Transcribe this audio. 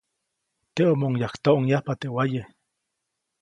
Teʼomoʼuŋ yajktoʼŋba teʼ waye.